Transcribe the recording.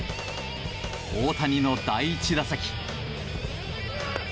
大谷の第１打席。